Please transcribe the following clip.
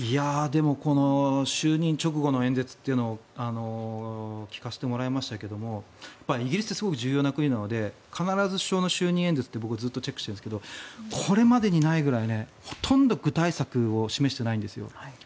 でもこの就任直後の演説というのを聞かせてもらいましたけれどもイギリスってすごく重要な国なので必ず首相の就任演説って僕ずっとチェックしていますがこれまでにないぐらいほとんど具体策を示してないんですよ。